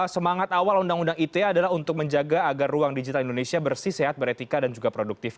semangat awal undang undang ite adalah untuk menjaga agar ruang digital indonesia bersih sehat beretika dan juga produktif